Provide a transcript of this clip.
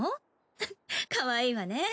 フッかわいいわねぇ。